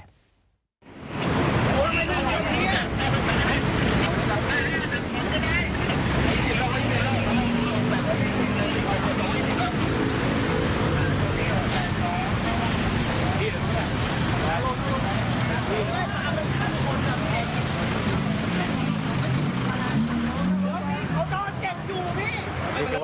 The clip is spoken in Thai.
อัดเซมาเลยครับ